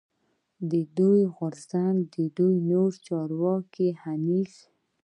د دوی د غورځنګ دوه نور چارواکی حنیف